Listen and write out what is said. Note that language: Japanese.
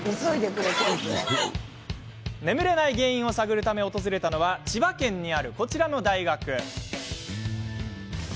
眠れない原因を探るため訪れたのは千葉県にあるこちらの大学。